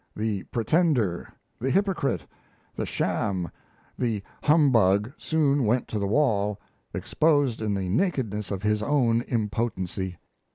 The pretender, the hypocrite, the sham, the humbug soon went to the wall, exposed in the nakedness of his own impotency.